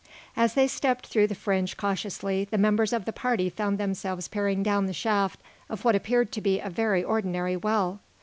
As they stepped through the fringe cautiously the members of the party found themselves peering down the shaft of what appeared to be a very ordinary well.